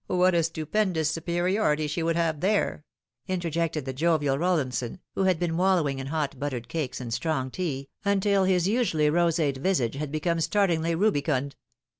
"What a stupendous superiority she would have there /" interjected the jovial Rollinson, who had been wallowing in hot buttered cakes and strong tea, until his usually roseate visage had become startlingly rubicund.